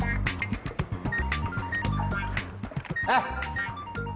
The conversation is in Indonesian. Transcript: pada pagi ini ini